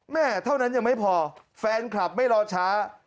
แม่เท่านั้นยังไม่พอแฟนคลับไม่รอช้า